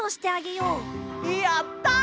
やった！